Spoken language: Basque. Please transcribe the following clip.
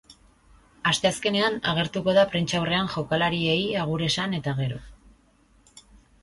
Asteazkenean agertuko da prentsa aurrean jokalariei agur esan eta gero.